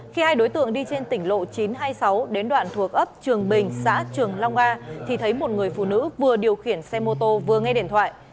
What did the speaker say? khi hai đối tượng đi trên tỉnh lộ chín trăm hai mươi sáu đến đoạn thuộc ấp trường bình xã trường long a thì thấy một người phụ nữ vừa điều khiển xe mô tô vừa nghe điện thoại